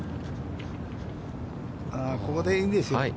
ここでいいんです。